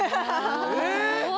え？